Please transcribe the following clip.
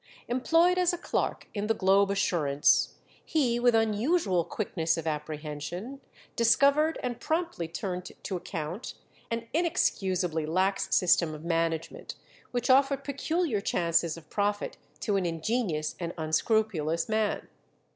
Employed as a clerk in the Globe Assurance, he with unusual quickness of apprehension discovered and promptly turned to account an inexcusably lax system of management, which offered peculiar chances of profit to an ingenious and unscrupulous man.